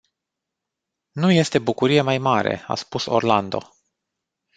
Nu este bucurie mai mare a spus Orlando.